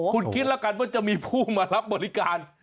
คุณคิดแล้วกันว่าจะมีผู้มารับบริการ